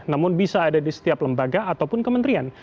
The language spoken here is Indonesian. namun bisa ada di setiap lembaga ataupun kementerian